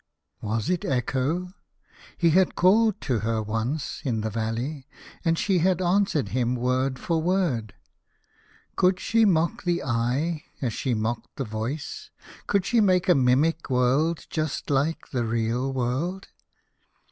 Was it Echo ? He had called to her once in the valley, and she had answered him word for word. Could she mock the eye, as she mocked the voice ? Could she make a mimic world just like the real world